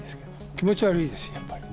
気持ち悪いですよ、やっぱり。